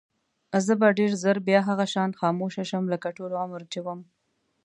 زه به ډېر ژر بیا هغه شان خاموشه شم لکه ټول عمر چې وم.